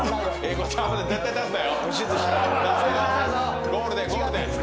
絶対出すなよ！